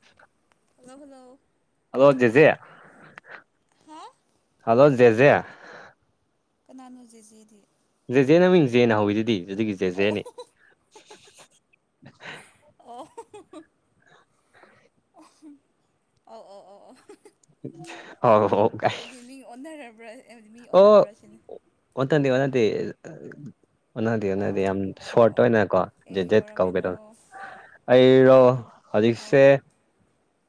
[inaudible] hello hello hello ꯖꯦꯖꯦ ꯍꯥ hello ꯖꯦꯖꯦ ꯀꯅꯥꯅꯣ ꯖꯦꯖꯦꯗꯤ ꯖꯦꯖꯦ ꯅꯪ ꯃꯤꯡ ꯖꯦꯝ ꯅ ꯍꯧꯔꯤꯗꯨꯗꯤ ꯑꯗꯨꯒꯤ ꯖꯦꯖꯦ ꯑꯣ ꯅꯤ ꯑꯣ ꯑꯣ ꯑꯣ ꯑꯣ ꯍꯥꯎ ꯍꯥꯎ ꯑꯩꯗꯤ ꯃꯤ ꯑꯣꯟꯅꯔꯕ꯭ꯔꯥ ꯍꯥꯏꯗꯤ ꯃꯤ ꯑꯣ ꯑꯣꯟꯅꯕ꯭ꯔꯥ ꯁꯤꯅꯤ ꯑꯣꯟꯅꯗꯦ ꯑꯣꯟꯅꯗꯦ ꯑꯣꯟꯅꯗꯦ ꯑꯣꯟꯅꯥꯗꯦ ꯌꯥꯝ ꯑꯣ ꯑꯣ ꯑꯣ ꯁꯣꯔꯠ ꯑꯣ ꯑꯣꯏꯅꯀꯣ ꯖꯦꯠ ꯀꯩ ꯖꯦꯠ ꯀꯧꯒꯦꯗꯣ ꯇꯧꯔꯝꯃꯤꯅꯣ ꯑꯩꯔꯣ ꯍꯧꯖꯤꯛꯁꯦ ꯑꯧ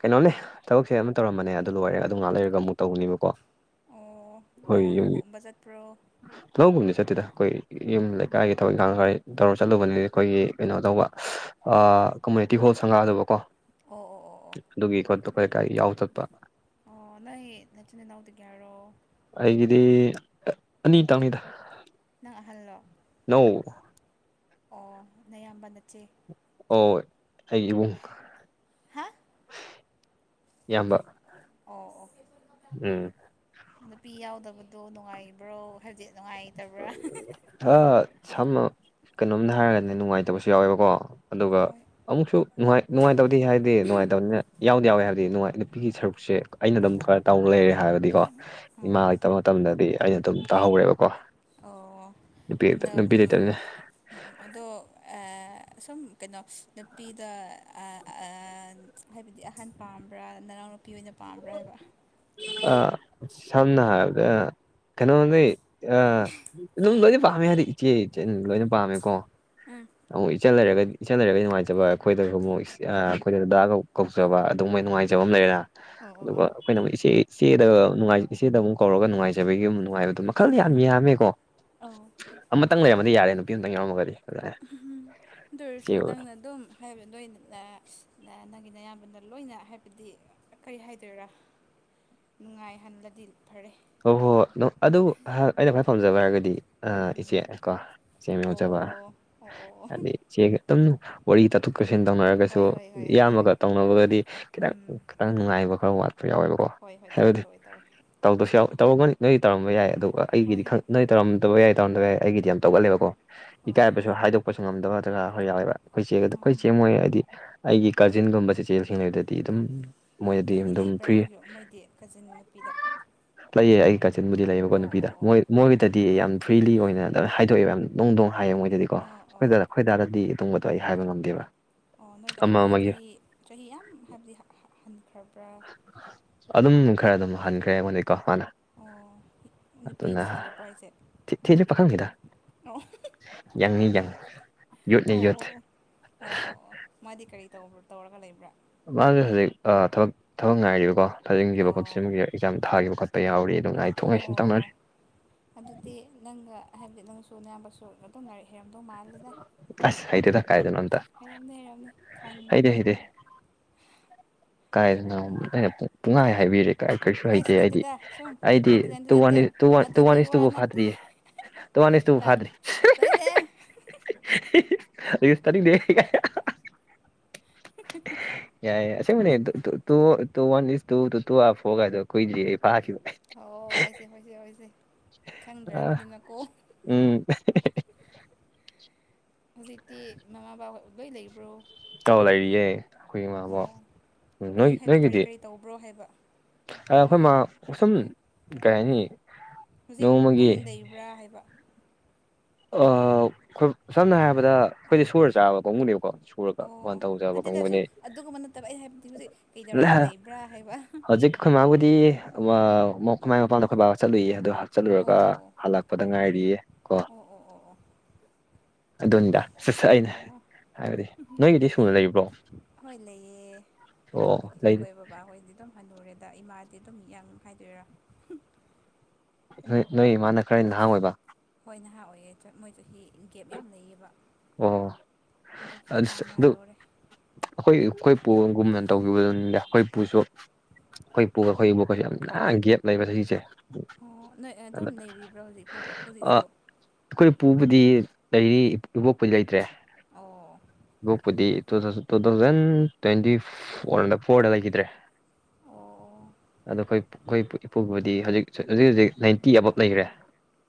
ꯀꯩꯅꯣꯝꯅꯦ ꯊꯕꯛꯁꯦ ꯑꯃꯝ ꯇꯧꯔꯝꯕꯅꯦ ꯑꯗꯨ ꯂꯣꯏꯔꯦ ꯑꯗꯨ ꯉꯍꯥꯛ ꯂꯩꯔꯒ ꯑꯃꯨꯛ ꯇꯧꯅꯦꯕꯀꯣ ꯑꯣ ꯑꯩꯈꯣꯏ ꯌꯨꯝꯒꯤ ꯂꯧꯒꯨꯝꯕ ꯆꯠꯄ꯭ꯔꯣ ꯂꯧꯒꯨꯝꯕꯗꯤ ꯆꯥꯠꯇꯦꯗ ꯈꯣꯏ ꯌꯨꯝ ꯂꯩꯀꯥꯏꯒꯤ ꯊꯕꯛ ꯏꯪꯈꯥꯡ ꯈꯔ ꯇꯧꯔ ꯆꯠꯂꯨꯕꯅꯤ ꯑꯩꯈꯣꯏꯒꯤ ꯀꯩꯅꯣ ꯇꯧꯕ ꯀꯃꯨꯅꯤꯇꯤ ꯍꯣꯜ ꯁꯪꯉꯛꯑꯗꯕꯀꯣ ꯑꯣ ꯑꯣ ꯑꯣ ꯑꯗꯨꯒꯤ ꯈꯣꯠꯇ ꯀꯩ ꯀꯥꯏ ꯌꯥꯎ ꯆꯠꯄ ꯑꯣ ꯅꯣꯏ ꯅꯆꯅꯦꯅꯥꯎꯗꯨꯒꯦꯔꯣ ꯑꯩꯒꯤꯗꯤ ꯑꯅꯤ ꯇꯪꯅꯤꯗ ꯅꯪ ꯑꯍꯜꯂꯣ ꯅꯧ ꯑꯣ ꯅꯌꯥꯝꯕ ꯅꯠꯆꯦ ꯑꯣ ꯑꯩ ꯏꯕꯨꯡ ꯍꯥꯥ ꯏꯌꯥꯝꯕ ꯑꯣ ꯑꯣꯀꯦ ꯎꯝ ꯅꯨꯄꯤ ꯌꯥꯎꯗꯕꯗꯣ ꯅꯨꯡꯉꯥꯏꯕ꯭ꯔꯣ ꯍꯥꯏꯗꯤ ꯅꯨꯡꯉꯥꯏꯇꯕ꯭ꯔꯥ ꯁꯝ ꯀꯩꯅꯣꯝꯅ ꯍꯥꯏꯔꯒꯅꯦ ꯅꯨꯡꯉꯥꯏꯇꯕꯁꯨ ꯌꯥꯎꯋꯦꯕꯀꯣ ꯑꯗꯨꯒ ꯍꯣꯏ ꯑꯃꯨꯛꯁꯨ ꯅꯨꯡꯉꯥꯏ ꯅꯨꯡꯉꯥꯏꯇꯕꯗꯤ ꯍꯥꯏꯗꯤ ꯅꯨꯡꯉꯥꯏꯇꯕꯅꯤꯅ ꯌꯥꯎꯗꯤ ꯌꯥꯎꯋꯦ ꯍꯥꯏꯕꯗꯤ ꯅꯨꯡ ꯅꯨꯄꯤꯒꯤ ꯁꯔꯨꯛꯁꯦ ꯑꯩꯅ ꯑꯗꯨꯝ ꯈꯔ ꯇꯧꯅ ꯂꯩꯔꯦ ꯍꯥꯏꯔꯕꯗꯤꯀꯣ ꯏꯃꯥ ꯑꯣ ꯂꯩꯇꯕ ꯃꯇꯝꯗꯗꯤ ꯑꯩꯅ ꯑꯗꯨꯝ ꯇꯥꯍꯧꯔꯦꯕꯀꯣ ꯅꯨꯄꯤ ꯑꯣ ꯅꯨꯄꯤ ꯂꯩꯇꯕꯅꯤꯅ ꯑꯗꯣ ꯁꯨꯝ ꯀꯩꯅꯣ ꯅꯨꯄꯤꯗ ꯍꯥꯏꯕꯗꯤ ꯑꯍꯟ ꯄꯥꯝꯕ꯭ꯔꯥ ꯅꯅꯥꯎ ꯅꯨꯄꯤ ꯑꯣꯏꯅ ꯄꯥꯝꯕ꯭ꯔꯥ ꯍꯥꯏꯕ ꯑ ꯁꯝꯅ ꯍꯥꯏꯔꯕꯗ ꯑ ꯀꯩꯅꯣꯗꯩ ꯑ ꯑꯗꯨꯝ ꯂꯣꯏꯅ ꯄꯥꯝꯃꯦ ꯍꯥꯏꯗꯤ ꯏꯆꯦ ꯏꯆ ꯂꯣꯏꯅ ꯄꯥꯝꯃꯦꯀꯣ ꯎꯝ ꯑꯃꯨꯛ ꯏꯆꯜ ꯂꯩꯔꯒ ꯏꯆꯟ ꯂꯩꯔꯒꯗꯤ ꯅꯨꯡꯉꯥꯏꯖꯕ ꯑꯩꯈꯣꯏꯗꯁꯨ ꯑꯃꯨꯛ ꯑꯩꯈꯣꯏꯗꯗꯥꯒ ꯀꯧꯆꯕ ꯑꯗꯨ ꯃꯣꯏ ꯅꯨꯡꯉꯥꯏꯖꯕ ꯑꯃ ꯂꯩꯔꯦꯅ ꯑꯣ ꯑꯣ ꯑꯗꯨꯒ ꯑꯣ ꯑꯩꯈꯣꯏꯅ ꯑꯃꯨꯛ ꯏꯆꯦ ꯏꯆꯦꯗꯅꯨꯡꯉꯥꯏ ꯏꯆꯦꯗ ꯑꯃꯨꯛ ꯀꯧꯔꯒ ꯅꯨꯡꯉꯥꯏꯖꯕꯒꯤ ꯑꯃꯨꯛ ꯅꯨꯡꯉꯥꯏꯕꯗꯣ ꯃꯈꯜ ꯌꯥꯝ ꯌꯥꯝꯃꯦꯀꯣ ꯑꯥꯎ ꯑꯃꯇꯪ ꯂꯩꯔꯝꯃꯗꯤ ꯌꯥꯔꯦ ꯅꯨꯄꯤ ꯑꯃꯇꯪ ꯌꯥꯎꯔꯝꯒꯗꯤ ꯑꯗꯨꯖꯦ ꯑꯗꯨ ꯑꯣꯏꯔꯁꯨ ꯅꯪꯅ ꯑꯗꯨꯝ ꯍꯥꯏꯕ ꯅꯣꯏ ꯅꯪꯒꯤꯅ ꯑꯌꯥꯝꯕꯅ ꯂꯣꯏꯅ ꯍꯥꯏꯕꯗꯤ ꯀꯔꯤ ꯍꯥꯏꯗꯣꯏꯔꯥ ꯅꯨꯡꯉꯥꯏꯍꯜꯂꯗꯤ ꯐꯔꯦ ꯍꯣꯏ ꯍꯣꯏ ꯍꯣꯏ ꯑꯗꯨ ꯑꯩꯅ ꯈ꯭ꯋꯥꯏ ꯄꯥꯝꯖꯕ ꯍꯥꯏꯔꯒꯗꯤ ꯎꯝ ꯏꯆꯦ ꯀꯣ ꯏꯆꯦ ꯌꯥꯎꯖꯕ ꯑꯣ ꯑꯣ ꯑꯣ ꯑꯣ ꯍꯥꯏꯗꯤ ꯆꯦ ꯑꯗꯨꯝ ꯋꯥꯔꯤ ꯇꯥꯊꯣꯛ ꯇꯠꯁꯤꯟ ꯇꯧꯅꯔꯒꯁꯨ ꯍꯣꯏ ꯍꯣꯏ ꯍꯣꯏ ꯍꯣꯏ ꯍꯣꯏ ꯏꯌꯥꯝꯕꯒ ꯇꯧꯅꯕꯒꯗꯤ ꯈꯤꯇꯪ ꯎꯝ ꯈꯤꯇꯪ ꯉꯥꯏꯕ ꯈꯔ ꯋꯥꯠꯄ ꯌꯥꯎꯋꯦꯕ ꯍꯣꯏ ꯍꯣꯏ ꯇꯧꯋꯦ ꯇꯧꯋꯦ ꯇꯧꯋꯤ ꯇꯧꯗꯕꯁꯨ ꯌꯥꯎ ꯇꯧꯔꯝꯒꯅꯤ ꯅꯣꯏꯗꯤ ꯇꯧꯔꯝꯕ ꯌꯥꯏ ꯑꯗꯨꯒ ꯍꯣꯏ ꯑꯩꯒꯤꯗꯤ ꯈ ꯍꯣꯏ ꯅꯣꯏ ꯇꯧꯔꯝꯗꯕ ꯌꯥꯏ ꯇꯧꯔꯝꯗꯒꯏ ꯑꯩꯒꯤꯗꯤ ꯌꯥꯝ ꯎꯝ ꯇꯧꯒꯜꯂꯦꯕꯀꯣ ꯍꯣꯏ ꯍꯣꯏ ꯏꯀꯥꯏꯕꯁꯨ ꯍꯥꯏꯗꯣꯛꯄꯁꯨ ꯉꯝꯗꯕ ꯅꯠꯇ꯭ꯔꯒ ꯍꯔ ꯌꯥꯎꯋꯦꯕ ꯑꯩꯈꯣꯏ ꯆꯦꯛꯒꯗ ꯑꯩꯈꯣꯏ ꯑꯣ ꯆꯦꯡ ꯃꯣꯏ ꯍꯥꯏꯗꯤ ꯑꯩꯒꯤ ꯀꯥꯖꯤꯟꯒꯨꯝꯕꯁꯦ ꯆꯦꯁꯤꯡ ꯂꯩꯩꯗꯗꯤ ꯑꯗꯨꯝ ꯃꯣꯏꯗꯗꯤ ꯑꯗꯨꯝ ꯐ꯭ꯔꯤ ꯣ ꯃꯣꯏꯗꯤ ꯀꯖꯤꯟ ꯅꯨꯄꯤꯗ ꯂꯩꯌꯦ ꯑꯩꯒꯤ ꯀꯆꯤꯟꯕꯨꯗꯤ ꯂꯩꯌꯦꯕꯀꯣ ꯑꯣ ꯅꯨꯄꯤꯗ ꯑꯣ ꯃꯣꯏ ꯃꯣꯏꯒꯤꯗꯗꯤ ꯌꯥꯝ ꯐ꯭ꯔꯤꯂꯤ ꯑꯣꯏꯅ ꯑꯗꯨ ꯍꯥꯏꯗꯣꯛꯑꯦꯕ ꯌꯥꯝ ꯅꯨꯡ ꯣꯡ ꯍꯥꯏꯌꯦꯦ ꯃꯣꯏꯗꯗꯤꯀꯣ ꯑꯣ ꯑꯣ ꯑꯣ ꯑꯩꯈꯣꯏ ꯑꯣ ꯑꯩꯈꯣꯏꯗꯥꯔꯗꯤ ꯇꯨꯡꯕꯗꯣ ꯑꯩ ꯍꯥꯏꯕ ꯉꯝꯗꯦꯕꯥ ꯑꯣ ꯅꯣꯏꯗꯥꯔꯗꯤ ꯆꯍꯤ ꯆꯍꯤ ꯌꯥꯝ ꯍꯥꯏꯕꯗꯤ ꯍꯟꯈ꯭ꯔꯕ꯭ꯔꯥ ꯑꯗꯨꯝ ꯈꯔ ꯑꯗꯨꯝ ꯍꯟꯈ꯭ꯔꯦ ꯑꯩꯉꯣꯟꯅꯤꯀꯣ ꯃꯥꯅ ꯑꯣ ꯅꯨꯄꯤ ꯑꯗꯨꯅ ꯊꯤꯔꯕ꯭ꯔꯥ ꯍꯥꯏꯁꯦ ꯆ ꯆꯤ ꯄ ꯄꯥꯈꯥꯝꯈꯤꯗ ꯑꯣ ꯌꯥꯪꯅꯤ ꯌꯥꯪ ꯑꯣ ꯑꯣ ꯑꯣ ꯑꯣ ꯑꯣ ꯑꯣ ꯃꯥꯗꯤ ꯀꯔꯤ ꯇ ꯇꯧꯔꯒ ꯂꯩꯕ꯭ꯔꯥ ꯃꯥꯁꯦ ꯍꯧꯖꯤꯛ ꯊꯕꯛ ꯊꯕꯛ ꯉꯥꯏꯔꯤꯕꯀꯣ ꯊꯥꯖꯤꯟꯈꯤꯕ ꯑꯣ ꯈꯆꯤꯟꯈꯤꯕ ꯑꯦꯛꯖꯥꯝ ꯊꯥꯈꯤꯕ ꯈꯣꯠꯄ ꯇ ꯌꯥꯎꯔꯤ ꯑꯗꯨꯝ ꯉꯥꯏꯊꯣꯛ ꯉꯥꯏꯁꯤꯟ ꯇꯧꯅꯔꯤ ꯑꯣ ꯑꯗꯨꯗꯤ ꯅꯪꯒ ꯍꯥꯏꯕꯗꯤ ꯅꯪꯁꯨ ꯑꯌꯥꯝꯕꯁꯨ ꯑꯗꯨ ꯑꯗꯨꯝ ꯂꯥꯏꯔꯤꯛ ꯍꯩꯔꯝꯗꯧ ꯃꯥꯜꯂꯤꯗ ꯑꯁ ꯍꯩꯗꯦꯗ ꯀꯥꯏꯗꯅꯣ ꯑꯝꯇ ꯍꯩꯔꯝꯅꯦ ꯂꯩꯔꯝꯅꯦ ꯈꯟ ꯍꯩꯇꯦ ꯀꯥꯏꯗꯅꯣꯝ ꯑꯩꯅ ꯄꯨꯡ ꯄꯨꯡꯉꯥꯏ ꯍꯥꯏꯕꯤꯔꯦ ꯀꯥꯏ ꯀꯩꯁꯨ ꯍꯩꯇꯦ ꯑꯦꯁ ꯑꯩꯗꯤ ꯅꯠꯇꯦꯗ ꯁꯨꯝ ꯑꯩꯗꯤ ꯅꯠꯇꯦ ꯅꯠꯇꯦ ꯇꯨ ꯋꯥꯟ ꯅꯠꯇꯦ ꯏ ꯇꯨ ꯇꯨ ꯑꯗꯨꯒꯤ ꯋꯥꯟ ꯏꯁ ꯋꯥ ꯇꯨꯕꯣ ꯅꯠꯇꯦ ꯐꯥꯗ꯭ꯔꯤꯌꯦ ꯇꯨ ꯋꯥꯟ ꯏꯁ ꯇꯨꯕꯨ ꯇꯟ ꯇꯥꯏꯟꯗꯦꯍꯦ ꯑꯌꯨꯁꯇꯅꯤꯅꯦ [unintelligible] [inaudible] ꯑꯌꯦ ꯑꯁꯦꯡꯕꯅꯦ ꯇꯨ ꯇ two two one is two two two are four ꯒꯥꯏꯗꯣ ꯀꯨꯏꯗꯔꯤꯏ ꯐꯈꯤꯕ ꯑꯥꯎ ꯍꯣꯏꯁꯦ ꯍꯣꯏꯁꯦ ꯍꯣꯏꯁꯦ ꯑ ꯈꯪꯗ꯭ꯔꯕꯅꯤꯅꯀꯣ ꯎꯝ ꯍꯣꯖꯤꯛꯇꯤ ꯃꯃꯥꯕꯥ ꯑꯣꯏ ꯂꯩꯕ꯭ꯔꯣ ꯀꯥꯎ ꯂꯩꯔꯤꯌꯦꯦ ꯑꯩꯈꯣꯏ ꯏꯃꯥꯕꯣ ꯑꯣ ꯅꯣꯏ ꯀꯔꯤ ꯍꯥꯏꯕꯗꯤ ꯀꯔꯤ ꯅꯣꯏꯒꯤꯗꯤ ꯀꯔꯤ ꯇꯧꯕ꯭ꯔꯣ ꯍꯥꯏꯕ ꯑꯩꯈꯣꯏ ꯃꯥꯁꯨꯝ ꯀꯩ ꯍꯥꯏꯅꯤ ꯍꯧꯖꯤꯛ ꯅꯣꯡꯃꯒꯤ ꯑꯗꯨꯝ ꯂꯩꯕ꯭ꯔꯥ ꯍꯥꯏꯕ ꯑꯩꯣꯏ ꯁꯝꯅ ꯍꯥꯏꯔꯕꯗ ꯑꯩꯈꯣꯏꯗꯤ ꯁꯣꯔ ꯆꯥꯕ ꯀꯥꯡꯕꯨꯅꯦꯕꯀꯣ ꯁꯨꯔꯒ ꯑꯣ ꯋꯥꯟ ꯑꯣ ꯇꯧꯖꯕ ꯅꯗꯦꯗꯤ ꯑꯁꯨꯝ ꯀꯥꯡꯕꯨꯅꯦ ꯑꯗꯨꯒꯨꯝꯕ ꯅꯠꯇꯕ ꯑꯩ ꯍꯥꯏꯕꯗꯤ ꯍꯧꯖꯤꯛ ꯀꯩꯗꯧꯔꯒ ꯂꯩꯕ꯭ꯔꯥ ꯍꯥꯏꯕ ꯍꯧꯖꯤꯛ ꯑꯩꯈꯣꯏ ꯃꯥꯥꯕꯨꯗꯤ ꯈꯨꯃꯥꯏꯒꯤ ꯃꯄꯥꯟꯗ ꯑꯩꯈꯣꯏ ꯕꯥ ꯆꯠꯂꯨꯏꯌꯦ ꯑꯗꯣ ꯆꯠꯂꯨꯔꯒ ꯑꯣ ꯍꯜꯂꯛꯄꯗ ꯉꯥꯏꯔꯤꯌꯦ ꯀꯣ ꯑꯣ ꯑꯣ ꯑꯣ ꯑꯣ ꯑꯗꯨꯅꯤꯗ ꯁꯠ ꯁꯠ ꯑꯩꯅ ꯑꯣ ꯍꯥꯏꯕꯗꯤ ꯅꯣꯏꯒꯤꯗꯤ ꯁꯨꯅ ꯂꯩ꯭ꯔꯣ ꯍꯣꯏ ꯂꯩꯑ ꯑꯗꯣ ꯂꯩ ꯑꯩꯈꯣꯏ ꯕꯕꯥꯍꯣꯏꯗꯤ ꯑꯗꯨꯝ ꯍꯜꯟꯅꯨꯔꯦꯗ ꯏꯃꯥꯗꯤ ꯑꯗꯨꯝ ꯌꯥ ꯍꯥꯏꯗꯣꯏꯔꯥ ꯣꯏ ꯅꯣꯏ ꯏꯃꯥꯅ ꯈꯔ ꯂꯍꯥꯡ ꯑꯣꯏꯣꯏꯕ ꯍꯣꯏ ꯅꯍꯥ ꯑꯣꯏꯌꯦ ꯆ ꯃꯣꯏꯗꯒꯤ ꯒꯦꯞ ꯌꯥꯝ ꯂꯩꯌꯦꯕ ꯑꯣ ꯑꯗꯨꯒꯤ ꯑꯗꯠꯁ ꯏꯄꯥꯅ ꯑꯗꯨ ꯍꯟꯅꯨꯔꯦ ꯑꯈꯣꯏ ꯑꯩꯈꯣꯏ ꯄꯨꯨꯑꯪꯒꯨꯝꯅ ꯇꯧꯒꯤꯕꯗꯨꯅꯤꯗ ꯑꯩꯈꯣꯏ ꯄꯨꯨꯁꯨ ꯑꯈꯣꯏ ꯄꯨꯒ ꯑꯈꯣꯏ ꯏꯕꯣꯛꯀꯁꯦ ꯌꯥꯝ ꯅ ꯒꯦꯞ ꯂꯩꯕ ꯆꯍꯤꯁꯦ ꯑꯣ ꯅꯣꯏ ꯑꯗꯨꯝ ꯂꯩꯔꯤꯕ꯭ꯔꯥ ꯍꯣꯖꯤꯛ ꯐꯥꯎ ꯍꯣꯖꯤꯛꯁꯨ ꯑꯈꯣꯏ ꯄꯨꯨꯕꯨꯗꯤ ꯂꯩꯔꯤ ꯏꯕꯣꯛꯄꯨꯗꯤ ꯂꯩꯇ꯭ꯔꯦ ꯑꯣ ꯅꯣꯛꯄꯨꯗꯤ ꯇꯨ ꯗ ꯇꯨ ꯗꯥꯎꯖꯟ ꯇ꯭ꯋꯦꯟꯇꯤ ꯐꯣꯔꯅ ꯐꯣꯔꯗ ꯂꯩꯒꯤꯗ꯭ꯔꯦ ꯑꯣ ꯑꯣ ꯑꯗꯣ ꯑꯈꯣꯏ ꯄꯨ ꯑꯈꯣꯏ ꯏꯄꯨꯕꯨꯗꯤ ꯍꯣꯖꯤꯛ ꯆ ꯍꯨꯖꯤꯛ ꯍꯨꯖꯤꯛ ꯅꯥꯏꯟꯇꯤ ꯑꯕꯞ ꯂꯩꯈ꯭ꯔꯦ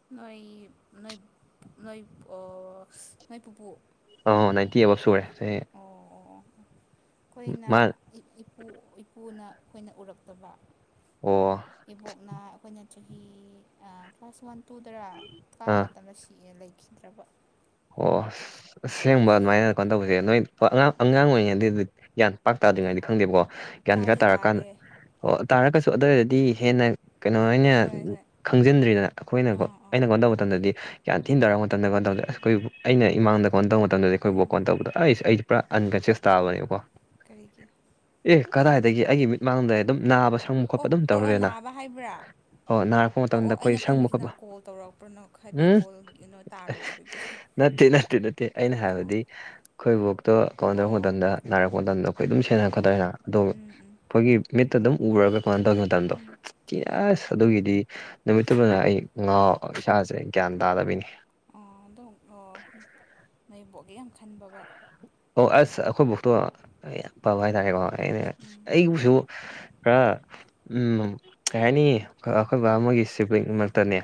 ꯅꯣꯏ ꯅꯣꯏ ꯅꯣꯏ ꯄꯣ ꯅꯣꯏ ꯄꯨꯄꯨ ꯑꯣ ꯅꯥꯥꯏꯟꯇꯤ ꯑꯕꯞ ꯁꯨꯔꯦ ꯆꯥꯍꯤ ꯑꯣ ꯑꯣ ꯑꯣ ꯑꯈꯣꯏꯅ ꯃꯥ ꯏꯄꯨ ꯏꯄꯨꯅ ꯑꯈꯣꯏꯅ ꯎꯔꯛꯇꯕ ꯑꯣ ꯏꯕꯣꯛꯅ ꯑꯩꯈꯣꯏꯅ ꯆꯍꯤ ꯐꯥꯁ ꯋꯥꯟ ꯇꯨꯗꯔꯥ ꯀꯥꯕ ꯑꯥ ꯃꯇꯝꯗ ꯁꯤꯛꯑꯦ ꯂꯩꯈꯤꯗ꯭ꯔꯕ ꯑꯣ ꯑꯁꯦꯡꯕ ꯑꯗꯨꯃꯥꯏꯅ ꯀꯅꯣ ꯇꯧꯕꯖꯦ ꯅꯣꯏ ꯄ ꯑꯉꯥꯡ ꯑꯉꯥꯡ ꯑꯣꯏꯔꯤꯉꯩꯗꯗꯠ ꯒꯌꯥꯟ ꯄꯥꯛ ꯇꯥꯗ꯭ꯔꯤꯉꯩꯗꯤ ꯈꯪꯗꯦꯕꯀꯣ ꯒ꯭ꯌꯥꯟ ꯒꯥ ꯇꯥꯗꯤ ꯇꯥꯔꯀꯟ ꯇꯥꯔꯦ ꯑꯣ ꯇꯥꯔꯒꯁꯨ ꯑꯗꯨꯏꯗꯗꯤ ꯍꯦꯟꯅ ꯀꯩꯅꯣ ꯍꯤꯏꯅꯦ ꯍꯣꯏ ꯍꯣꯏ ꯈꯪꯖꯤꯟꯗ꯭ꯔꯤꯗꯅ ꯑꯈꯣꯏꯅꯀꯣ ꯑꯥ ꯑꯥ ꯑꯩꯅ ꯀꯅꯣ ꯇꯧꯕ ꯎꯝ ꯃꯇꯝꯗꯗꯤ ꯀ꯭ꯌꯥꯟ ꯊꯤꯟꯅ ꯇꯔꯛ ꯃꯇꯝꯗ ꯀꯟ ꯇꯧꯗꯦ ꯑꯁ ꯑꯩꯈꯣꯏꯕꯨ ꯑꯩꯅ ꯏꯃꯥꯡꯗ ꯐꯣꯟ ꯇꯧ ꯃꯇꯝꯗꯗꯤ ꯑꯩꯈꯣꯏꯕꯣꯛ ꯎꯝ ꯀꯣꯟ ꯇꯧꯕꯗ ꯑꯩꯁ ꯑꯩꯗꯤ ꯄꯨꯔꯥ ꯑꯟꯀꯟꯁꯦꯁ ꯇꯥꯕꯅꯦꯕꯀꯣ ꯀꯔꯤꯒꯤ ꯑꯦ ꯀꯗꯥꯏꯗꯒꯤ ꯑꯩꯒꯤ ꯃꯤꯠꯃꯥꯡꯗ ꯑꯗꯨꯝ ꯅꯥꯕ ꯁ ꯑꯣ ꯑꯣ ꯑꯣ ꯅꯥꯕ ꯍꯥꯏꯕ꯭ꯔꯥ ꯑꯣ ꯅꯥꯔꯛꯄ ꯑꯣ ꯃꯇꯝꯗ ꯑꯣ ꯑꯩꯈꯣꯏ ꯑꯩꯅ ꯁꯪꯕ ꯈꯟꯕꯁꯤꯅ ꯈꯣꯠꯄ ꯀꯣꯜ ꯇꯧꯔꯛꯄ꯭ꯔꯅꯣꯛ ꯍꯥꯏꯕꯗꯤ ꯎꯝ ꯀꯣꯜ ꯒꯤꯅꯣ ꯇꯥꯔꯨꯕꯗꯨꯒꯤ ꯅꯠꯇꯦ ꯅꯠꯇꯦ ꯅꯠꯇꯦ ꯑꯩꯅ ꯑꯣ ꯍꯥꯏꯕꯗꯤ ꯈꯣꯏ ꯕꯣꯛꯇꯣ ꯀꯣꯟ ꯑꯣ ꯗꯧꯛ ꯑꯣ ꯃꯇꯝꯗ ꯅꯥꯔꯛꯄ ꯃꯇꯝꯗ ꯑꯩꯈꯣꯏ ꯑꯗꯨꯝ ꯑꯣ ꯁꯦꯟꯅ ꯑꯣ ꯈꯣꯠꯇꯅ ꯑꯗꯣꯒ ꯎꯝ ꯎꯝ ꯑꯈꯣꯏꯒꯤ ꯃꯤꯠꯇ ꯑꯗꯨꯝ ꯎꯔꯒ ꯀꯣꯍꯟ ꯇꯧꯒꯤ ꯃꯇꯝꯗꯣ ꯎꯝ ꯎꯝ ꯀꯤ ꯎꯝ ꯎꯝ ꯑꯁ ꯑꯗꯨꯒꯤꯗꯤ ꯅꯨꯃꯤꯠꯇꯨꯃꯅ ꯑꯩ ꯉꯥꯎ ꯏꯁꯥꯁꯦ ꯒ꯭ꯌꯥꯟ ꯇꯥꯗꯕꯤꯅꯤ ꯑꯣ ꯑꯗꯨꯛ ꯑꯣ ꯅꯣꯏꯕꯣꯛꯒꯤ ꯌꯥꯝ ꯈꯟꯕꯒ ꯑꯣ ꯑꯁ ꯑꯈꯣꯏ ꯐꯣꯛꯇꯣ ꯌꯥꯝ ꯄꯕ ꯍꯥꯏꯇꯥꯥꯔꯦꯒꯣ ꯑꯩꯅ ꯎꯝ ꯑꯩꯕꯨꯁꯨ ꯈꯔ ꯎꯝ ꯀꯩ ꯍꯥꯏꯅꯤ ꯑꯩꯈꯣꯏ ꯕꯕꯥ ꯃꯣꯏꯒꯤ ꯁꯤꯕ꯭ꯂꯤꯡꯃꯛꯇꯅꯦ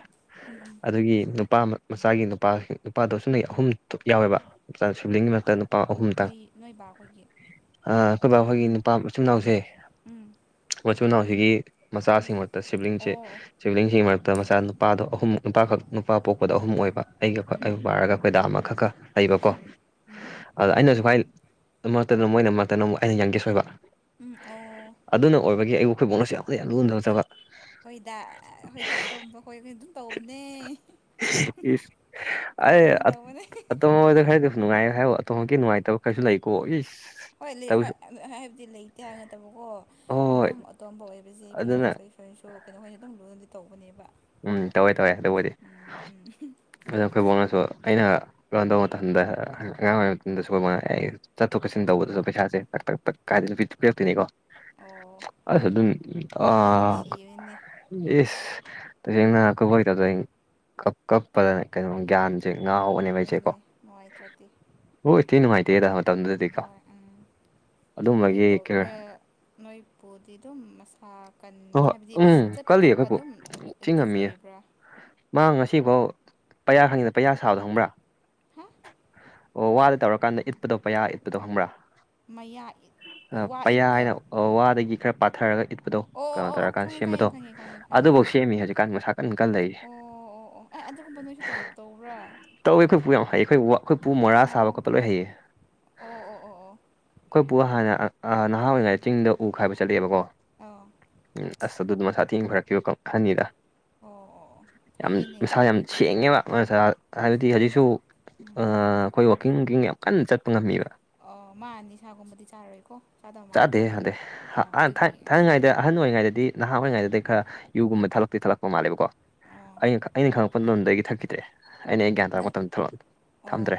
ꯎꯝ ꯎꯝ ꯑꯗꯨꯒꯤ ꯅꯨꯄꯥ ꯃꯆꯥꯒꯤ ꯅꯨꯄꯥ ꯅꯨꯄꯥꯗꯣ ꯁ ꯅ ꯑꯍꯨꯝ ꯊꯣꯛ ꯌꯥꯎꯋꯦꯕꯆꯥ ꯁꯨꯕ꯭ꯂꯤꯡꯒꯤ ꯃꯔꯛꯇ ꯂꯨꯄꯥ ꯑꯍꯨꯝꯇꯪ ꯅꯣꯏ ꯅꯣꯏ ꯕꯥꯈꯣꯏꯒꯤ ꯑꯩꯈꯣꯏꯕ ꯑꯩꯈꯣꯏꯒꯤ ꯎꯝ ꯅꯨꯄꯥ ꯃꯆꯨꯝꯅꯥꯎꯁꯦ ꯎꯝ ꯃꯆꯨꯅ ꯍꯧꯖꯤꯛꯀꯤ ꯃꯆꯥꯁꯤꯡꯃꯛꯇ ꯁꯤꯕꯂꯤꯡꯁꯦ ꯑꯣ ꯁꯤꯕꯂꯤꯡꯁꯤꯡꯒꯤ ꯃꯔꯛꯇ ꯃꯆꯥ ꯅꯨꯄꯥꯗꯣ ꯑꯍꯨꯝ ꯅꯨꯄꯥꯈꯛ ꯅꯨꯄꯥ ꯄꯣꯛꯄꯗ ꯑꯍꯨꯝ ꯑꯣꯏꯕ ꯑꯩꯒ ꯎꯝ ꯑꯩꯕꯨ ꯎꯝ ꯄꯕꯥꯔꯒ ꯑꯩꯈꯣꯏꯗꯥ ꯑꯃꯈꯛ ꯈ ꯂꯩꯕꯀꯣ ꯎꯝ ꯎꯝ ꯑꯗ ꯑꯩꯅꯁꯨꯨ ꯈꯥꯏ ꯃꯔꯛꯇꯅ ꯃꯣꯏꯅ ꯃꯔꯛꯇꯅ ꯑꯃꯛ ꯑꯩꯅ ꯌꯥꯝꯒꯦ ꯁꯣꯏꯕ ꯎꯝ ꯑꯣ ꯑꯗꯨꯅ ꯑꯣꯏꯕꯒꯤ ꯑꯩꯕꯨꯈꯣꯏꯕꯣꯛꯅꯁꯨ ꯌꯥꯝꯅ ꯌꯥꯝ ꯂꯨꯅ ꯇꯧꯖꯕ ꯍꯣꯏꯗ ꯑ ꯍꯣꯏꯗ ꯑꯇꯣꯝꯕ ꯍꯣꯏꯍꯣꯏ ꯗꯨꯝ ꯇꯧꯕꯅꯦ ꯑꯔꯦ ꯇꯧꯕꯅꯦ ꯑꯠ ꯇꯧꯕꯅꯦ ꯑꯇꯣꯞ ꯅꯨꯡꯉꯥꯏꯌꯦ ꯍꯥꯏꯌꯣ ꯑꯇꯃꯛꯀꯤ ꯅꯨꯡꯉꯥꯏꯇꯕ ꯀꯩꯁꯨ ꯂꯩꯀꯣ ꯏꯁ ꯍꯣꯏ ꯂꯤ ꯍꯣꯏ ꯍꯥꯏꯕꯗꯤ ꯂꯩꯇꯦ ꯍꯥꯏꯕ ꯅꯠꯇꯕꯀꯣ ꯍꯣꯏ ꯑꯗꯨꯝ ꯑꯇꯣꯝꯕ ꯑꯣꯏꯕꯖꯦ ꯑꯗꯨꯅ ꯄꯦꯔꯦꯟꯁ ꯍꯣꯏꯁ ꯀꯩꯁꯨ ꯀꯩꯅꯣ ꯈꯣꯏꯅ ꯑꯗꯨꯝ ꯂꯨꯟꯅꯗꯤ ꯇꯧꯕꯅꯦꯕ ꯎꯝ ꯇꯧꯋꯦ ꯇꯧꯋꯦ ꯑꯗꯨꯕꯨꯗꯤ ꯎꯝ ꯎꯝ ꯑꯗꯨ ꯈꯨꯣꯏꯕꯃꯛꯅꯁꯨ ꯑꯩꯅ ꯂꯣꯟ ꯇꯧꯕ ꯃꯇꯝꯗ ꯑꯉꯥꯡ ꯑꯣꯏꯔꯤ ꯃꯇꯝꯗꯁꯨ ꯈꯨꯈꯣꯏꯕꯅ ꯑꯩ ꯆꯠꯊꯣꯛ ꯆꯠꯁꯤꯟ ꯇꯧꯕꯗꯁꯨ ꯄꯩꯁꯥꯁꯦꯛ ꯄ ꯀꯥꯏꯗꯅ ꯄꯤꯔꯛꯇꯣꯏꯅꯤꯀꯣ ꯑꯣ ꯑ ꯑꯗꯨꯝ ꯑ ꯌꯥꯝ ꯅꯨꯡꯁꯤꯕꯅꯦ ꯌꯦꯁ ꯇꯁꯦꯡꯅ ꯀꯕ ꯇꯗ ꯀ ꯀꯞꯄꯗꯅ ꯀꯩꯅꯣ ꯒ꯭ꯌꯥꯟ ꯦ ꯉꯥ ꯍꯧꯕꯅꯦꯕ ꯑꯩꯁꯦ ꯀꯣ ꯍꯣꯏꯅꯦ ꯅꯨꯡꯉꯥꯏꯇ꯭ꯔꯗꯤ ꯑꯣ ꯏꯠꯇꯇꯩ ꯅꯨꯡꯉꯥꯏꯇꯦ ꯇ ꯍꯣꯏ ꯎꯝ ꯑꯗꯨꯝꯕꯒꯤ ꯅꯣꯏꯕꯨ ꯀꯩ ꯍꯣꯏ ꯅꯣꯏꯕꯨꯗꯤ ꯑꯗꯨꯝ ꯃꯁꯥ ꯀꯟ ꯍꯣꯏ ꯍꯥꯏꯕꯗꯤ ꯎꯝ ꯆꯠꯄ ꯀꯜꯂꯤ ꯈꯣꯠꯄ ꯑꯩꯈꯣꯏꯕꯨ ꯑꯗꯨꯝ ꯊꯤ ꯑꯦꯛꯇꯤꯞ ꯉꯝꯃꯤꯌꯦ ꯑꯣꯏꯔꯤꯕ꯭ꯔꯥ ꯃꯥ ꯉꯁꯤꯐꯥꯎ ꯄꯩꯌꯥ ꯈꯪꯗꯤꯗ ꯄꯩꯌꯥꯥ ꯁꯥꯕꯗ ꯈꯪꯕ꯭ꯔꯥ ꯍꯥ ꯑꯣ ꯋꯥꯗ ꯇꯧꯔꯀꯥꯟꯗ ꯏꯠꯄꯗꯣ ꯄꯌꯥ ꯏꯠꯄꯗꯣ ꯈꯪꯕ꯭ꯔꯥ ꯃꯌꯥ ꯋꯥ ꯏꯠ ꯑꯣ ꯋꯥꯗꯒꯤ ꯈꯔ ꯄꯥꯊꯔꯒ ꯏꯠꯄꯗꯣ ꯑꯣ ꯀꯩꯅꯣ ꯑꯣ ꯑꯣ ꯇꯧꯔꯀꯥꯟꯗ ꯈꯪꯉꯦ ꯁꯦꯝꯕꯗꯣ ꯈꯪꯉꯦ ꯈꯪꯉꯦ ꯈꯪꯉꯦ ꯈꯪꯉꯦ ꯑꯗꯨꯐꯧ ꯈꯪꯉꯦ ꯁꯦꯝꯃꯤ ꯍꯧꯖꯤꯛꯀꯥꯟ ꯃꯁꯥ ꯀꯟ ꯀꯟ ꯂꯩꯔꯤꯁꯦ ꯑꯣ ꯑꯣ ꯑꯣ ꯑꯦ ꯑꯗꯨꯒꯨꯝꯕ ꯅꯣꯏꯁꯨ ꯇꯧ ꯇꯧꯕ꯭ꯔꯥ ꯇꯧꯋꯦ ꯑꯩꯈꯣꯏ ꯄꯨ ꯌꯥꯝ ꯍꯩꯌꯦ ꯑꯩꯈꯣꯏ ꯑꯩꯈꯣꯏ ꯄꯨ ꯃꯣꯔꯥ ꯁꯥꯕ ꯑꯣ ꯈꯣꯠꯄ ꯂꯣꯏ ꯍꯩꯌꯦ ꯑꯣ ꯑꯣ ꯑꯣ ꯑꯣ ꯑꯥ ꯑꯩꯈꯣꯏ ꯄꯨ ꯍꯥꯟꯅ ꯅꯍꯥ ꯑꯣꯏꯔꯤꯉꯩꯗ ꯆꯤꯡꯗ ꯎꯥꯏꯕ ꯆꯠꯂꯛꯑꯦꯕꯀꯣ ꯑꯣ ꯑꯣ ꯎꯝ ꯑꯁ ꯑꯗꯨꯗꯣ ꯃꯁꯥ ꯊꯦꯡꯈꯔꯛꯈꯤꯕ ꯀ ꯈꯅꯤꯗ ꯑꯣ ꯌꯥꯝ ꯐꯩꯌꯦꯅꯦ ꯃꯁꯥ ꯌꯥꯝ ꯁꯦꯡꯉꯦꯕ ꯍꯥꯏꯕꯗꯤ ꯍꯧꯖꯤꯛꯁꯨ ꯎꯝ ꯑꯩꯈꯣꯏ ꯋꯥꯛꯀꯤꯡ ꯀꯤꯀ ꯌꯥꯝ ꯀꯟꯅ ꯆꯠꯄ ꯉꯝꯃꯤꯕ ꯃꯥ ꯑꯅꯤꯁꯥꯒꯨꯝꯕꯗꯤ ꯆꯥꯔꯣꯏꯀꯣ ꯆꯥꯗꯕ ꯃꯥꯜꯂꯦꯀꯣ ꯑꯣ ꯑꯗꯨꯒꯤ ꯑꯗ ꯑꯍꯟ ꯑꯣꯏꯔꯤꯉꯩꯗꯗꯤ ꯅꯍꯥ ꯑꯣꯏꯔꯤꯉꯩꯗꯗꯤ ꯈꯔ ꯌꯨꯒꯨꯝꯕ ꯊꯥꯂꯛꯇꯦ ꯊꯠꯂꯛꯄ ꯃꯥꯜꯂꯦꯕꯀꯣ ꯑ ꯑꯣ ꯑꯩꯅ ꯈꯉꯛꯄ ꯑꯄꯟ ꯂꯣꯝꯗꯒꯤ ꯊꯛꯈꯤꯗ꯭ꯔꯦ ꯑꯩꯅ ꯑꯩ ꯒ꯭ꯌꯥꯟ ꯇꯥꯔꯛꯄ ꯅꯪ ꯃꯇꯝꯗ ꯊꯣꯛꯂꯛꯑ ꯑꯣ ꯊꯛꯑꯝꯗ꯭ꯔꯦ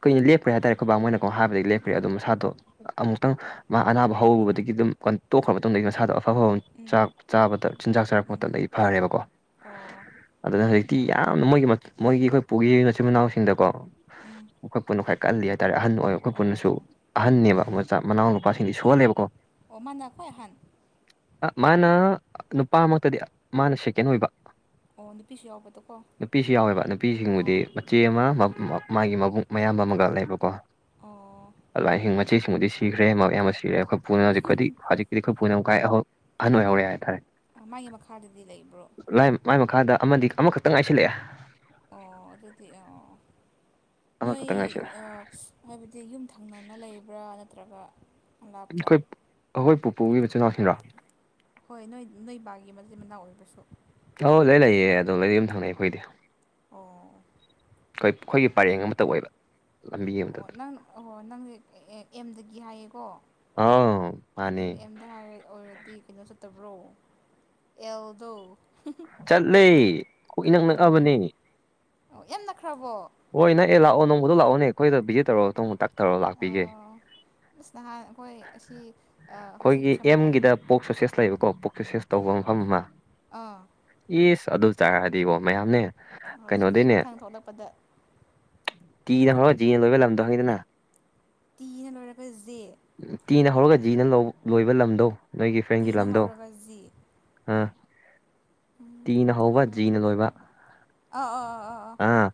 ꯀꯣꯏꯅꯤ ꯂꯦꯄ꯭ꯔꯦ ꯍꯥꯏꯔꯦꯣꯏꯕꯥꯡ ꯃꯅꯀꯣ ꯍꯥꯏꯕꯗꯤ ꯂꯦꯞꯈꯦ ꯎꯝ ꯑꯗꯨ ꯃꯁꯥꯗꯣ ꯑꯃꯨꯛꯇꯪ ꯃꯥ ꯑꯅꯥꯕ ꯍꯧꯔꯨꯕꯗꯒꯤ ꯑꯗꯨꯝ ꯀ ꯇꯣꯛꯈ꯭ꯔꯕ ꯃꯇꯨꯡꯗꯒꯤ ꯃꯁꯥꯗꯣ ꯑꯐꯐꯝ ꯎꯝ ꯆꯥꯛ ꯆꯥꯕꯗ ꯆꯤꯟꯖꯥꯛ ꯆꯥꯔꯛꯄ ꯎꯝ ꯃꯇꯝꯗ ꯑꯩ ꯐꯔꯦꯕꯀꯣ ꯑꯣ ꯑꯗꯨꯅ ꯍꯧꯖꯤꯛꯇꯤ ꯌꯥꯝꯅ ꯃꯣꯏꯒꯤ ꯃꯣꯏꯒꯤ ꯑꯩꯈꯣꯏ ꯄꯨꯈꯤ ꯃꯆꯤꯟ ꯃꯅꯥꯎꯁꯤꯡꯗꯀꯣ ꯎꯝ ꯄꯨꯟꯅ ꯈ꯭ꯋꯥꯏ ꯀꯜꯂꯤ ꯍꯥꯏꯇꯥꯔꯦ ꯑꯍꯟ ꯑꯣꯏ ꯑꯩꯈꯣꯏ ꯄꯨꯟꯅꯁꯨ ꯑꯣ ꯑꯍꯟꯅꯦꯕ ꯎꯝ ꯃꯆꯥ ꯃꯅꯥꯎ ꯅꯨꯄꯥꯁꯤꯡꯗꯤ ꯁꯣꯜꯂꯦꯕꯀꯣ ꯑꯣ ꯃꯥꯅ ꯈꯣꯏ ꯑꯍꯥꯟ ꯃꯥꯅ ꯅꯨꯄꯥꯃꯛꯇꯗꯤ ꯃꯥꯅ ꯁꯦꯀꯦꯟ ꯑꯣꯏꯕ ꯑꯣ ꯅꯨꯄꯤꯁꯨ ꯌꯥꯎꯕꯗꯀꯣ ꯅꯨꯄꯤꯁꯨ ꯌꯥꯎꯋꯦꯕ ꯅꯨꯄꯤꯁꯤꯡꯕꯨꯗꯤ ꯑꯣ ꯃꯆꯦ ꯑꯃ ꯃꯥꯒꯤ ꯃꯕꯨꯡ ꯃꯌꯥꯝꯕ ꯑꯃꯒ ꯂꯩꯕꯀꯣ ꯑꯣ ꯑꯗꯨꯃꯥꯏꯅꯁꯤꯡ ꯃꯆꯤꯁꯤꯡꯕꯨꯗꯤ ꯁꯤꯈ꯭ꯔꯦ ꯃꯌꯥꯝ ꯑꯃ ꯁꯤꯔꯦ ꯑꯩꯈꯣꯏ ꯄꯨꯅ ꯍꯧꯖꯤꯛꯄꯨꯗꯤ ꯍꯧꯖꯤꯛꯇꯤ ꯑꯩꯈꯣꯏ ꯄꯨꯅ ꯑꯃꯨꯛ ꯑꯍꯟ ꯑꯣꯏꯍꯧꯔꯦ ꯍꯥꯏꯇꯥꯔꯦ ꯃꯥꯒꯤ ꯃꯈꯥꯗꯗꯤ ꯂꯩꯕ꯭ꯔꯣ ꯃꯥꯏ ꯃꯈꯥꯗ ꯑꯃꯗꯤ ꯑꯃꯈꯛꯇꯪ ꯉꯥꯏꯁꯤꯜꯂꯛꯑꯦ ꯑꯣ ꯑꯗꯨꯗꯤ ꯑꯥ ꯅꯣꯏ ꯑꯃꯈꯛꯇꯪ ꯉꯥꯏꯁꯤꯜꯂꯛꯑꯦ ꯍꯥꯏꯕꯗꯤ ꯌꯨꯝꯊꯪꯅꯅ ꯂꯩꯕ꯭ꯔꯥ ꯅꯠꯇ꯭ꯔꯒ ꯂꯥꯞꯄ꯭ꯔꯥ ꯑꯩꯈꯣꯏ ꯑꯩꯈꯣꯏ ꯄꯨꯄꯨꯒꯤ ꯏꯆꯤꯜ ꯏꯅꯥꯎꯁꯤꯡꯔꯣ ꯍꯣꯏ ꯅꯣꯏ ꯅꯣꯏ ꯕꯥꯒꯤ ꯃꯆꯤꯟ ꯃꯅꯥꯎ ꯑꯣꯏꯕꯁꯨ ꯑꯧ ꯂꯩꯌꯦ ꯂꯩꯌꯦ ꯑꯗꯣ ꯗꯣꯏꯗꯤ ꯑꯗꯨꯝ ꯊꯪꯅꯩ ꯑꯩꯈꯣꯏꯗꯤ ꯑꯣ ꯑꯩꯈꯣꯏ ꯑꯩꯈꯣꯏꯒꯤ ꯄꯔꯦꯡ ꯑꯃꯇ ꯑꯣꯏꯕ ꯂꯝꯕꯤ ꯑꯣ ꯑꯃꯇꯗ ꯅꯪ ꯑꯣ ꯅꯪ ꯑꯦꯝꯗꯒꯤ ꯍꯥꯏꯌꯦꯀꯣ ꯑ ꯃꯥꯅꯦ ꯑꯦꯝꯗ ꯍꯥꯏꯔ ꯑꯣꯏꯔꯗꯤ ꯀꯩꯅꯣ ꯆꯠꯇꯕ꯭ꯔꯣ ꯑꯦꯜꯗꯣ ꯆꯠꯂꯦ ꯀꯣꯛ ꯏꯅꯛ ꯑꯣ ꯅꯛꯑꯕꯅꯤ ꯑꯣ ꯌꯥꯝ ꯅꯛꯈ꯭ꯔꯕꯣ ꯍꯣꯏ ꯅꯪ ꯑꯦ ꯂꯥꯛꯑꯣ ꯅꯪꯃꯗꯣ ꯂꯥꯛꯑꯣꯅꯦ ꯑꯩꯈꯣꯏꯗ ꯚꯤꯖꯤꯠ ꯇꯧꯔꯣ ꯅꯣꯡ ꯇꯛꯊꯧꯔ ꯂꯥꯛꯄꯤꯒꯦ ꯑꯣ ꯑꯁ ꯅꯍꯥꯟ ꯑꯩꯈꯣꯏ ꯑꯁꯤ ꯍꯧꯖꯤꯛ ꯁꯃꯔ ꯌꯨꯡꯒꯤꯗ ꯄꯣꯛ ꯁꯣꯁꯦꯁ ꯂꯩꯕꯀꯣ ꯄꯣꯛ ꯁꯣꯁꯦꯁ ꯇꯧꯕ ꯃꯐꯝ ꯑꯃ ꯑꯥ ꯑꯦꯁ ꯑꯗꯨ ꯆꯥꯔꯛꯑꯗꯤꯕꯣ ꯃꯌꯥꯝꯅꯦ ꯑꯣ ꯑꯗꯨꯗꯤ ꯀꯩꯅꯣꯗꯩꯅꯦ ꯃꯊꯪ ꯊꯣꯛꯂꯛꯄꯗ ꯇꯤꯅ ꯍꯧꯔꯒ ꯗꯤꯅ ꯂꯣꯏꯕ ꯂꯝꯗꯣ ꯈꯪꯉꯤꯗꯅ ꯇꯤꯅ ꯂꯣꯏꯔꯒ ꯖꯦ ꯇꯤꯅ ꯍꯧꯔꯒ ꯖꯤꯅ ꯂꯣꯏꯕ ꯂꯝꯗꯣ ꯅꯣꯏꯒꯤ ꯐ꯭ꯔꯦꯟꯒꯤ ꯇꯤꯅ ꯂꯝꯗꯣ ꯍꯧꯔꯒ ꯖꯤ ꯑꯥ ꯇꯤꯅ ꯍꯧꯕ ꯖꯤꯅ ꯂꯣꯏꯕ ꯑ ꯑ ꯑ ꯑꯥ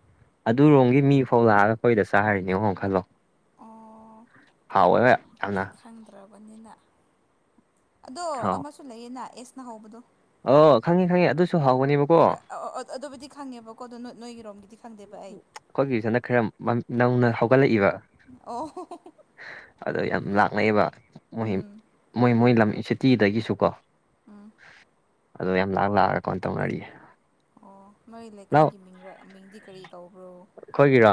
ꯑꯗꯨꯔꯣꯝꯒꯤ ꯃꯤ ꯐꯥꯎ ꯂꯥꯛꯑꯒ ꯑꯩꯈꯣꯏꯗ ꯆꯥꯔꯤꯅꯦ ꯈꯜꯂꯣ ꯑꯣ ꯍꯥꯎꯋꯦꯕ ꯌꯥꯝꯅ ꯈꯪꯗ꯭ꯔꯕꯅꯤꯅ ꯑꯗꯣ ꯍꯥꯎ ꯑꯃꯁꯨ ꯂꯩꯌꯦꯅ ꯑꯦꯁꯅ ꯍꯧꯕꯗꯣ ꯑꯣ ꯈꯪꯉꯦ ꯈꯪꯉꯤ ꯑꯗꯨꯁꯨ ꯍꯥꯎꯕꯅꯦꯕꯀꯣ ꯑ ꯑꯗꯨꯕꯨꯗꯤ ꯈꯪꯉꯦꯕꯀꯣ ꯑꯗꯣ ꯅ‌ꯣꯏ ꯅꯣꯏꯒꯤꯔꯣꯝꯒꯤꯗꯤ ꯈꯪꯗꯦꯕ ꯑꯩ ꯑꯩꯈꯣꯏꯒꯤꯁꯅ ꯈꯔ ꯅ ꯅꯧꯅ ꯍꯧꯒꯠꯂꯛꯏꯕ ꯑꯣ [unintelligible] ꯑꯗ‌ꯣ ꯌꯥꯝ ꯂꯥꯛꯅꯩꯕ ꯃꯣꯏ ꯎꯝ ꯃꯣꯏ ꯃꯣꯏ ꯎꯝ ꯂꯝ ꯁꯤꯇꯤꯗꯒꯤꯁꯨꯀꯣ ꯎꯝ ꯑꯗꯣ ꯌꯥꯝ ꯂꯥꯛ ꯂꯥꯛꯑꯒ ꯀꯣꯟ ꯇꯧꯅꯔꯤꯌꯦ ꯑꯣ ꯅ‌ꯣꯏ ꯂꯥꯎ ꯂꯩꯀꯥꯏꯒꯤ ꯃꯤꯡꯔ ꯃꯤꯡꯗꯤ ꯀꯔꯤ ꯀꯧꯕ꯭ꯔꯣ ꯑꯩꯈꯣꯏꯒꯤꯔꯣ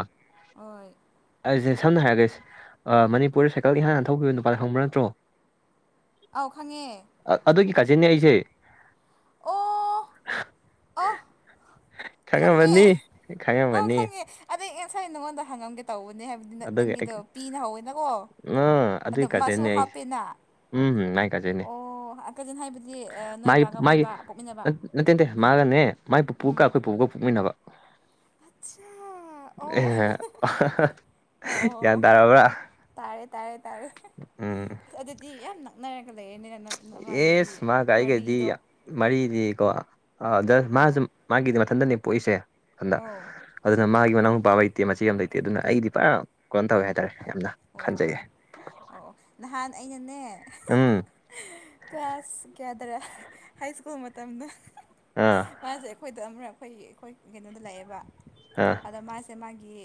ꯍ‌ꯣꯏ ꯑꯩꯖ‌ꯦ ꯁꯝꯅ ꯍꯥꯏꯔꯒꯦꯁ ꯑꯥ ꯃꯅꯤꯄꯨꯔꯗ ꯁꯥꯏꯀꯜ ꯏꯍꯥꯟ ꯍꯥꯟꯅ ꯊꯧꯈꯤꯕ ꯅꯨꯄꯥꯗ‌ꯣ ꯈꯪꯕ ꯅꯠꯇ꯭ꯔꯣ ꯑꯥꯎ ꯈꯪꯉꯦ ꯑꯗꯨꯒꯤ ꯀꯥꯖꯤꯟꯅꯦ ꯑꯩꯁꯦ ꯑꯣ ꯑ ꯈꯪꯉꯝꯃꯅꯤ ꯈꯪꯉꯝꯃꯅꯤ ꯑꯗꯨꯏ ꯏꯟꯁꯥꯏ ꯅꯪꯉꯣꯟꯗ ꯍꯪꯉꯝꯒꯦ ꯇꯧꯕꯅꯦ ꯍꯥꯏꯕꯅꯤꯅ ꯑꯗꯨꯒꯤ ꯅꯪꯒꯤꯗꯣ ꯄꯤꯅ ꯍꯧꯋꯦꯅꯀꯣ ꯑ ꯑꯗꯣ ꯑꯗꯨꯒꯤ ꯃꯥꯁꯨ ꯀꯥꯖꯤꯟꯅꯦ ꯑꯩꯁꯦ ꯍꯥꯞꯄꯦꯅ ꯎꯝ ꯃꯥꯏ ꯀꯖꯤꯟꯅꯦ ꯑꯣ ꯀꯖꯤꯟ ꯍꯥꯏꯕꯗꯤ ꯑꯥ ꯅꯣꯏ ꯃꯥꯒꯤ ꯕꯥꯒ ꯃꯣꯏ ꯃꯥꯒꯤ ꯕꯥ ꯄꯣꯛꯃꯤꯟꯅꯕ ꯅꯠ ꯅꯇ‌ꯦ ꯅꯇꯦ ꯃꯥꯒꯅꯦ ꯃꯥꯏ ꯄꯨꯄꯨꯒ ꯑꯩꯈꯣꯏ ꯄꯨꯄꯨꯒ ꯄ‌ꯣꯛꯃꯤꯟꯅꯕ ꯑꯆꯥ ꯑꯦ ꯑꯣ ꯑꯣ ꯒ꯭ꯌꯥꯟ ꯑꯣ ꯇꯥꯔꯕ꯭ꯔꯥ ꯇꯥꯔꯦ ꯇꯥꯔꯦ ꯇꯥꯔꯦ ꯎꯝ ꯑꯗꯨꯗꯤ ꯌꯥꯝ ꯅꯛ ꯅꯛꯅꯔꯒ ꯂꯩꯔꯦꯅꯤ ꯅ ꯅꯕꯥꯅꯤꯗꯤ ꯑꯦꯁ ꯃꯥꯒ ꯑꯩꯒꯗꯤ ꯃꯔꯤꯗꯣ ꯃꯔꯤꯗꯤꯀꯣ ꯑꯗ ꯑꯧ ꯃꯥꯖꯨ ꯃꯥꯒꯤꯗꯤ ꯃꯊꯟꯇꯅꯦ ꯄꯣꯛꯏꯁꯦ ꯑꯗ ꯑꯧ ꯑꯗꯨꯅ ꯃꯥꯒꯤ ꯃꯅꯥꯎ ꯅꯨꯄꯥ ꯂꯩꯇꯦ ꯃꯆꯦ ꯑꯃ ꯂꯩꯇꯦ ꯑꯗꯨꯅ ꯑꯩꯗꯤ ꯄꯨꯔꯥ ꯀꯩꯅ‌ꯣ ꯇꯧꯋꯦ ꯍꯥꯏꯇꯥꯔꯦ ꯌꯥꯝꯅ ꯑꯣ ꯈꯟꯖꯩꯌꯦ ꯑꯣ ꯑꯣ ꯅꯍꯥꯟ ꯑꯩꯅꯅꯦ ꯎꯝ ꯀ꯭ꯂꯥꯁ ꯀꯌꯥꯗꯔꯥ ꯍꯥꯏ ꯁ꯭ꯀꯨꯜ ꯃꯇꯝꯗ ꯑꯥ ꯃꯥꯁꯦ ꯑꯩꯈꯣꯏꯗ ꯑꯃꯔꯛ ꯑꯩꯈꯣꯏ ꯑꯩꯈꯣꯏ ꯀꯩꯅꯣꯗ ꯂꯥꯛꯑꯦꯕ ꯑꯥ ꯑꯗꯣ ꯃꯥꯁꯦ ꯃꯥꯒꯤ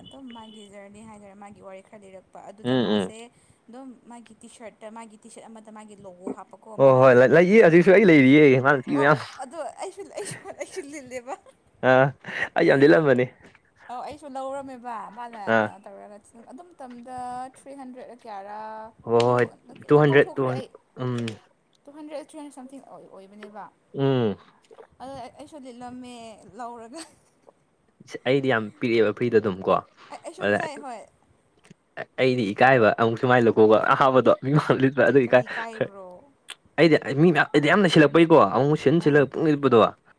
ꯑꯗꯨꯝ ꯃꯥꯒꯤ ꯖꯔꯅꯤ ꯍꯥꯏꯗꯔꯥ ꯃꯥꯒꯤ ꯋꯥꯔꯤ ꯈꯔ ꯂꯤꯔꯛ ꯄ ꯑꯗꯨꯗ ꯎꯝ ꯎꯝ ꯃꯥꯁꯦ ꯑꯗꯨꯝ ꯃꯥꯒꯤ ꯇꯤ ꯁꯔꯠꯇ ꯃꯥꯒꯤ ꯇꯤ ꯁꯔꯠ ꯑꯃꯗ ꯃꯥꯒꯤ ꯂꯣꯒ‌ꯣ ꯍꯥꯞ ꯄꯀꯣ ꯍꯣꯏ ꯃꯥꯒꯤ ꯍꯣꯏ ꯑꯗꯨꯒꯤ ꯂꯩꯌꯦ ꯍꯧꯖꯤꯛꯁꯨ ꯑꯩ ꯂꯩꯔꯤꯌꯦ ꯃꯥꯅ ꯄꯤ ꯑꯣ ꯃꯌꯥꯝ ꯑꯗꯣ ꯑꯩꯁꯨ ꯑꯩ ꯑꯩꯁꯨ ꯂꯤꯠꯂꯦꯕ ꯑ ꯑꯩ ꯌꯥꯝ ꯂꯤꯜꯂꯝꯕꯅ‌ꯦ ꯑꯧ ꯑꯩꯁꯨ ꯂꯧꯔꯝꯃꯦꯕ ꯃꯥꯅ ꯑꯥ ꯇꯧꯔꯒ ꯑꯗꯨ ꯃꯇꯝꯗ ꯊ꯭ꯔꯤ ꯍꯟꯗ꯭ꯔꯦꯗꯔꯥ ꯀꯌꯥꯔꯥ ꯍꯣꯏ ꯇꯨ ꯍꯣꯏ ꯍꯣꯏ ꯇꯨ ꯍꯟꯗ꯭ꯔꯦꯠ ꯇꯨ ꯀꯧꯊꯣꯛꯈ꯭ꯔꯦ ꯍꯟ ꯑꯩ ꯎꯝ two hundred or three hundred something ꯑꯣꯏꯕꯅꯦꯕ ꯎꯝ ꯑꯗ ꯑꯩ ꯑꯩꯁꯨ ꯂꯤꯠꯂꯝꯃꯦ ꯂꯧꯔꯒ ꯑꯩꯗꯤ ꯌꯥꯝ ꯄꯤꯔꯛꯑꯦꯕ ꯐ꯭ꯔꯤꯗ ꯑꯗꯨꯝ ꯀꯣ ꯑꯩꯁꯨ ꯑꯗ ꯉꯁꯥꯏ ꯍꯣꯏ ꯑꯩꯗꯤ ꯏꯀꯥꯏꯕ ꯑꯃꯨꯛꯁꯨ ꯃꯥꯏ ꯂ‌ꯣꯒ‌ꯣꯒ ꯌꯥꯝ ꯍꯥꯞꯄꯗꯣ ꯃꯤꯃꯥꯡ ꯂꯤꯠ ꯑꯩ ꯑꯗꯨ ꯏꯀꯥꯏ ꯀꯔꯤ ꯈꯔ ꯀꯥꯏꯕ꯭ꯔꯣ ꯑꯩꯗꯤ ꯃꯤ ꯃ ꯑꯩꯗꯤ ꯌꯥꯝ ꯂꯩꯁꯤꯜꯂꯛꯄꯩꯀꯣ ꯑꯃꯨꯛ ꯁꯤꯟ ꯑꯥ ꯁꯤꯜꯂꯒ ꯄꯪꯂꯤꯠ ꯂꯤꯠꯄꯗꯣ